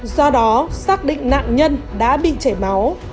do đó xác định nạn nhân đã bị chảy máu